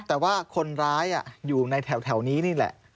แต่ว่าคนร้ายอยู่ในแถวนี้นี่แหละ